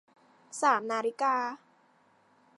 สามนาฬิกา